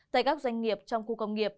tại các doanh nghiệp trong khu công nghiệp